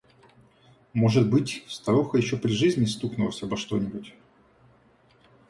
Может быть, старуха еще при жизни стукнулась обо что-нибудь?